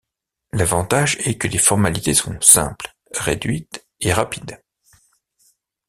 L'avantage est que les formalités sont simples, réduites et rapides.